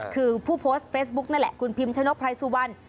คือผู้โพสต์เฟสบุ๊คนั่นแหละคุณพิมชะนกพรายสู่วัน